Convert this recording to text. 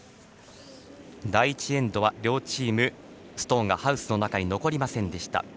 第１エンドは両チームストーンがハウスの中に残りませんでした。